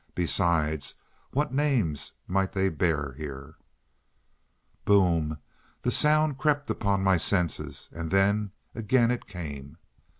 Besides, what names might they bear here? "Boom!" the sound crept upon my senses, and then again it came.